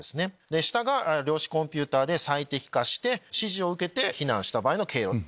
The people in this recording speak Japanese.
下が量子コンピューターで最適化して指示を受けて避難した場合の経路。